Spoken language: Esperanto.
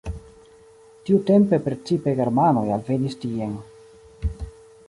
Tiutempe precipe germanoj alvenis tien.